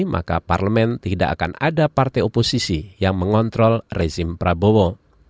maka parlemen tidak akan ada partai oposisi yang mengontrol rezim prabowo